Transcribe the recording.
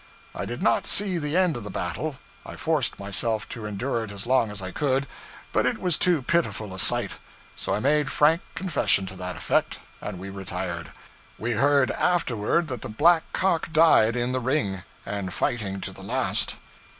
I did not see the end of the battle. I forced myself to endure it as long as I could, but it was too pitiful a sight; so I made frank confession to that effect, and we retired. We heard afterward that the black cock died in the ring, and fighting to the last.